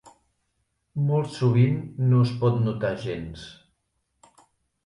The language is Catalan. Molts sovint no es pot notar gens.